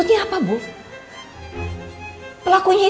dan tidak lama lagi